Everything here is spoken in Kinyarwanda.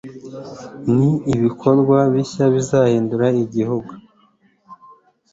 n'ibikorwa bishya bizahindura igihugu